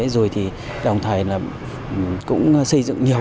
rồi thì đồng thời là cũng xây dựng nhiều